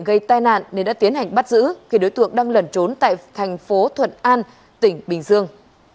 gây tai nạn nên đã tiến hành bắt giữ khi đối tượng đang lẩn trốn tại thành phố thuận an tỉnh bình dương